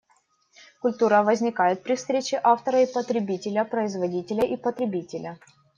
Культура возникает при встрече автора и потребителя, производителя и потребителя.